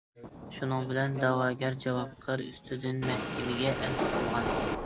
شۇنىڭ بىلەن دەۋاگەر جاۋابكار ئۈستىدىن مەھكىمىگە ئەرز قىلغان.